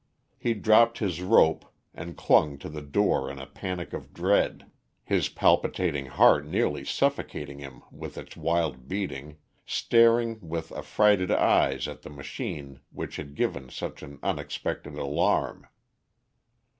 He dropped his rope and clung to the door in a panic of dread, his palpitating heart nearly suffocating him with its wild beating, staring with affrighted eyes at the machine which had given such an unexpected alarm.